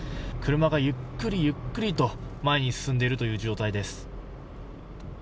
車がゆっくりゆっくりと前に進んでいる状態です。